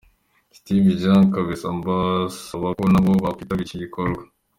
Steve Jean, Kawesa mbasaba ko na bo bakwitabira iki gikorwa.